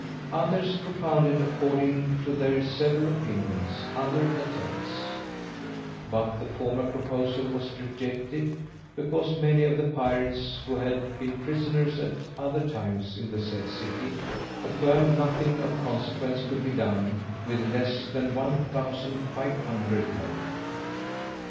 Others propounded, according to their several opinions, other attempts; but the former proposal was rejected, because many of the pirates, who had been prisoners at other times in the said city, affirmed nothing of consequence could be done with less than one thousand five hundred men.